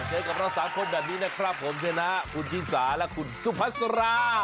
เจอกับเรา๓คนแบบนี้นะครับผมชนะคุณชิสาและคุณสุพัสรา